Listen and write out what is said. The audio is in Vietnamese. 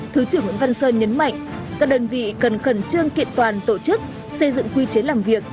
thứ trưởng nguyễn văn sơn nhấn mạnh các đơn vị cần khẩn trương kiện toàn tổ chức xây dựng quy chế làm việc